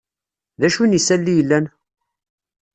D acu n yisali yellan?